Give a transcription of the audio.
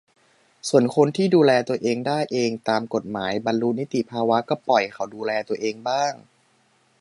ส่วนคนที่ดูแลตัวเองได้เองตามกฎหมาย บรรลุนิติภาวะ ก็ปล่อยเขาดูแลตัวเองบ้าง